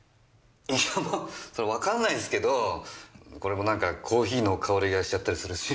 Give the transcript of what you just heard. いやもうわからないんすけどこれも何かコーヒーの香りがしちゃったりするし。